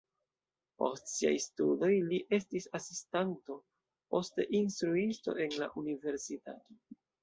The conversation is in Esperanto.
Post siaj studoj li estis asistanto, poste instruisto en la universitato.